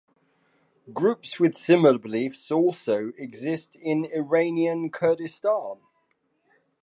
Groups with similar beliefs also exist in Iranian Kurdistan.